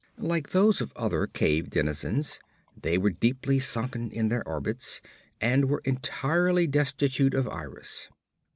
Like those of other cave denizens, they were deeply sunken in their orbits, and were entirely destitute of iris.